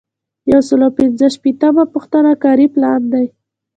یو سل او پنځه شپیتمه پوښتنه کاري پلان دی.